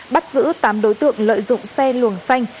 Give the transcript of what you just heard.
bắt giữ tám đối tượng lợi dụng xe luồng xanh